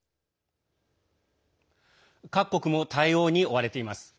各国も対応に追われています。